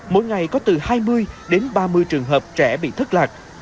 mỗi ngày có từ hai mươi đến ba mươi trường hợp trẻ bị thất lạc